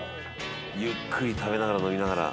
「ゆっくり食べながら飲みながら」